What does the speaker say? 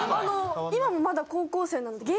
今もまだ高校生なので。